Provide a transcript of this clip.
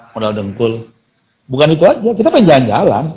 modal dengkul bukan itu aja kita pengen jalan jalan